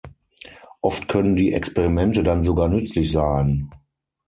Oft können die Experimente dann sogar nützlich sein.